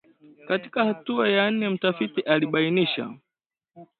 Katika hatua ya nne, mtafiti alibainisha